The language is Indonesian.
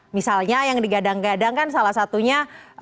misalnya yang digadang gadang kan salah satunya